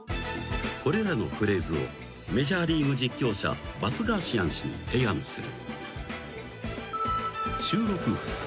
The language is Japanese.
［これらのフレーズをメジャーリーグ実況者バスガーシアン氏に提案する］